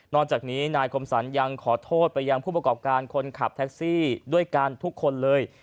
จากนี้นายคมสรรยังขอโทษไปยังผู้ประกอบการคนขับแท็กซี่ด้วยกันทุกคนเลย